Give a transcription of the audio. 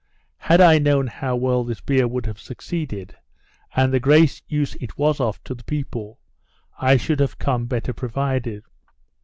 Had I known how well this beer would have succeeded, and the great use it was of to the people, I should have come better provided.